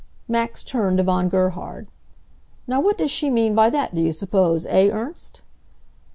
Max turned to Von Gerhard. "Now what does she mean by that do you suppose, eh Ernst?"